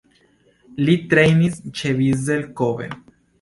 Li trejnis ĉe Vissel Kobe.